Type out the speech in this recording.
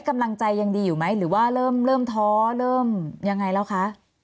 กำลังใจยังดีอยู่ไหมหรือว่าเริ่มท้อเริ่มยังไงแล้วคะ